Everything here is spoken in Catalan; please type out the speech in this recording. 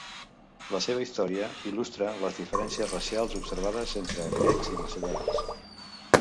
La seva historia il·lustra las diferències racials observades entre grecs i macedonis.